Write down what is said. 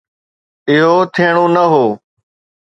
اهو ٿيڻو نه هو.